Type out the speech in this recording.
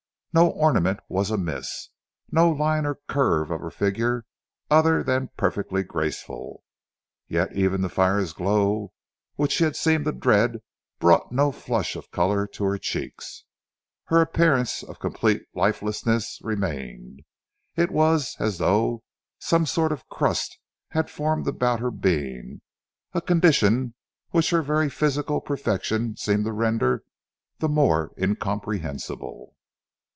No ornament was amiss, no line or curve of her figure other than perfectly graceful. Yet even the fire's glow which she had seemed to dread brought no flush of colour to her cheeks. Her appearance of complete lifelessness remained. It was as though some sort of crust had formed about her being, a condition which her very physical perfection seemed to render the more incomprehensible.